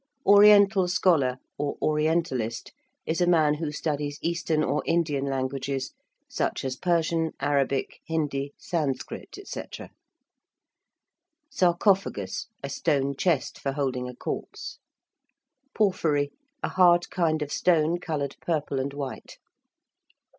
~oriental scholar~, or ~orientalist~, is a man who studies Eastern or Indian languages, such as Persian, Arabic, Hindi, Sanskrit, &c. ~sarcophagus~: a stone chest for holding a corpse. ~porphyry~: a hard kind of stone coloured purple and white.